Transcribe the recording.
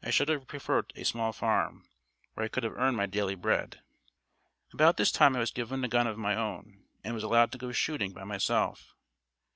I should have preferred a small farm, where I could have earned my daily bread." About this time I was given a gun of my own, and was allowed to go shooting by myself.